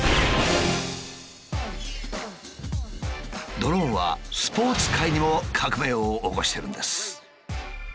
ドローンはスポーツ界にも革命を起こしてるんです。